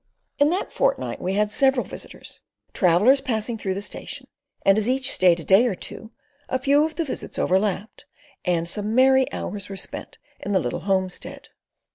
In that fortnight we had several visitors, travellers passing through the station, and as each stayed a day or two, a few of the visits overlapped, and some merry hours were spent in the little homestead.